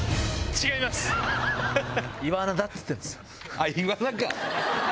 あっイワナか！